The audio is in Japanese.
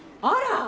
あら！